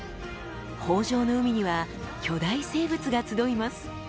豊じょうの海には巨大生物が集います。